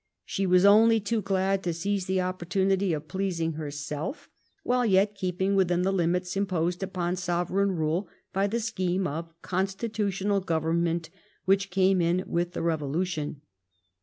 She was only too glad to seize the opportu nity of pleasing herself while yet keeping within the limits imposed upon sovereign rule by the scheme of constitutional government which came in with the rev olution.